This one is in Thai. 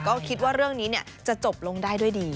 ก็คิดว่าเรื่องนี้จะจบลงได้ด้วยดี